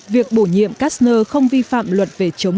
việc bổ nhiệm kastner không vi phạm luật